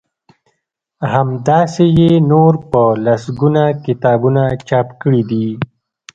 همداسی يې نور په لسګونه کتابونه چاپ کړي دي